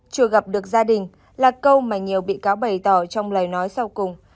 chưa gặp được gia đình là câu mà nhiều bị cáo bày tỏ trong lời nói sau cùng